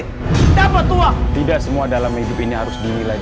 tugas kamu tuh dirumah